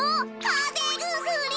かぜぐすり！